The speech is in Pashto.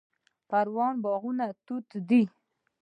د پروان باغونه توت دي